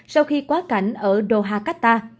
sau khi quá cảnh ở doha qatar